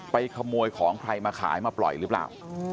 ขโมยของใครมาขายมาปล่อยหรือเปล่า